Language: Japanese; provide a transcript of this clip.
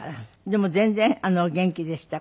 でも全然お元気でした。